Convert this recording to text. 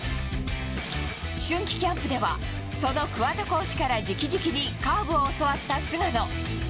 春季キャンプではその桑田コーチから直々にカーブを教わった菅野。